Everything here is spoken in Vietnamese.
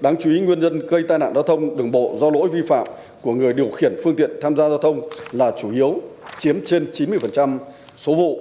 đáng chú ý nguyên nhân gây tai nạn giao thông đường bộ do lỗi vi phạm của người điều khiển phương tiện tham gia giao thông là chủ yếu chiếm trên chín mươi số vụ